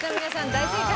大正解。